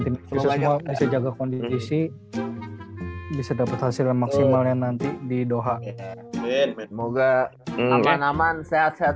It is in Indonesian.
kita semua bisa jaga kondisi bisa dapat hasil maksimalnya nanti di doha semoga aman aman sehat sehat